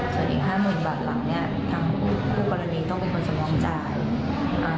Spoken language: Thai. จนอีก๕๐๐๐๐บาทหลังนี้ทั้งผู้กรณีต้องเป็นคนสมองจ่าย